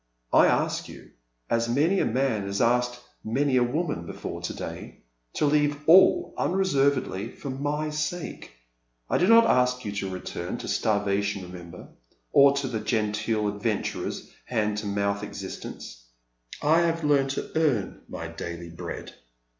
I ask you, as many a man has asked many a woman bef oi"e to day, to leave all unreservedly for my sake^ I do not ask you to return to starvation remember, or to the genteel adventurer's hand to mouth existence. I have learned to earn my daily bread.